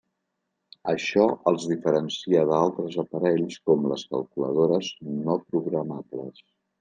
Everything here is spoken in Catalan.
Això els diferencia d'altres aparells com les calculadores no programables.